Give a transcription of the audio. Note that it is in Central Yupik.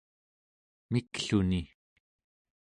mikluni